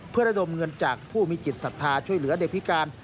เพื่อระดมเงินจากผู้มีจิตศรัทธาช่วยเหลือเด็กพิการ